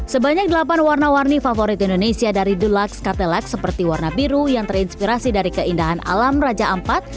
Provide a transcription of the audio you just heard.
sebanyak delapan warna warni favorit indonesia dari deluxe cathelak seperti warna biru yang terinspirasi dari keindahan alam raja ampat